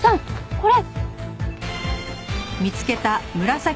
これ。